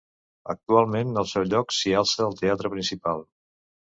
Actualment al seu lloc s'hi alça el Teatre Principal.